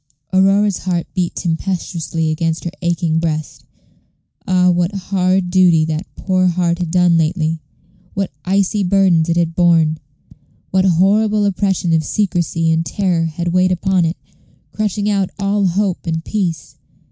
Aurora's heart beat tempestuously against her aching breast. Ah! what hard duty that poor heart had done lately; what icy burdens it had borne, what horrible oppression of secrecy and terror had weighed upon it, crushing out all hope and peace!